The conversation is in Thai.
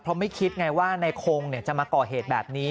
เพราะไม่คิดไงว่านายคงจะมาก่อเหตุแบบนี้